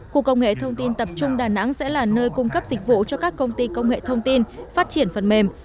khu công nghệ thông tin tập trung đà nẵng sẽ là nơi cung cấp dịch vụ cho các công ty công nghệ thông tin phát triển phần mềm